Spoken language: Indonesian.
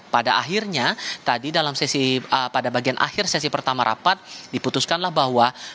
pada akhirnya pada bagian akhir sesi pertama rapat diputuskanlah bahwa